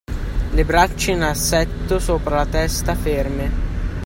Le braccia in assetto sopra la testa ferme